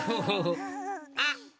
あっ！